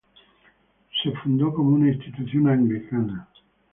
Se fundó como una institución anglicana.